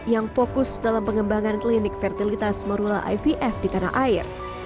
yang fokus dalam pengembangan klinik fertilitas morula ivf di tanah air